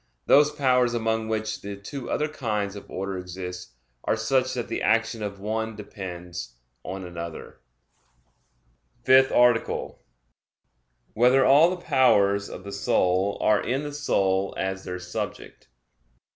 Those powers among which the two other kinds of order exist are such that the action of one depends on another. _______________________ FIFTH ARTICLE [I, Q. 77, Art. 5] Whether All the Powers of the Soul Are in the Soul As Their Subject?